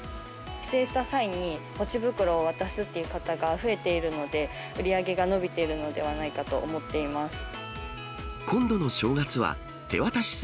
帰省した際にポチ袋を渡すという方が増えているので、売り上げが伸びているのではないかと思っています。